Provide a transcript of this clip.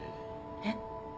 えっ？